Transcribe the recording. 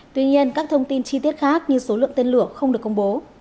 tuy nhiên các thông tin chi tiết khác như số lượng tên lửa không được công bố